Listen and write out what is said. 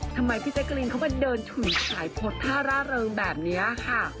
ทำไมพี่เจ๊กลิ้นเข้ามาเดินถุนสายพดทาระเริงแบบเนี้ยค่ะ